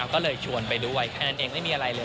ก็เลยชวนไปด้วยแค่นั้นเองไม่มีอะไรเลย